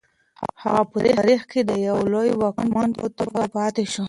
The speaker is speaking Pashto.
هغه په تاریخ کې د یو لوی واکمن په توګه پاتې شو.